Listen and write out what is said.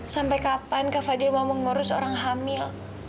sampai kapan kak fadil mau mengurus orang hamil